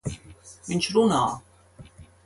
Viņš runā!